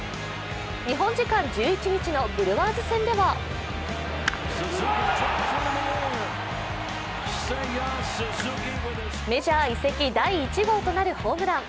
日本時間１１日のブルワーズ戦ではメジャー移籍第１号となるホームラン。